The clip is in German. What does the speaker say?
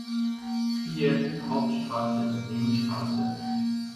Siehe: Hauptstrasse und Nebenstrasse